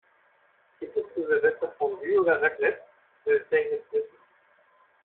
"Gibt es zu Silvester Fondue oder Raclette?", will Zeynep wissen.